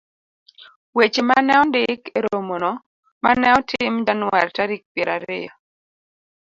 Weche ma ne ondik e romono ma ne otim Januar tarik piero ariyo,